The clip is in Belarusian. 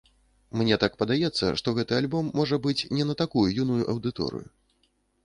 Мне так падаецца, што гэты альбом, можа быць, не на такую юную аўдыторыю.